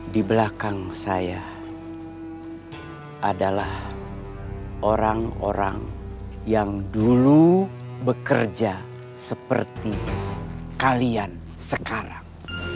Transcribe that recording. di belakang saya adalah orang orang yang dulu bekerja seperti kalian sekarang